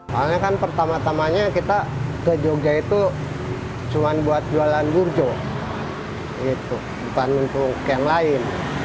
soalnya kan pertama tamanya kita ke jogja itu cuma buat jualan burjo bukan untuk yang lain